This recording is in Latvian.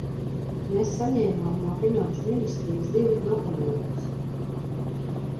Mēs saņēmām no Finanšu ministrijas divus dokumentus.